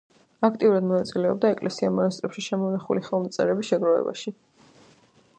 აქტიურად მონაწილეობდა ეკლესია-მონასტრებში შემონახული ხელნაწერების შეგროვებაში.